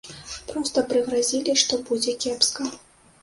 Проста прыгразілі, што будзе кепска.